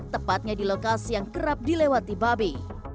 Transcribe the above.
tepatnya di lokasi yang kerap dilewati babi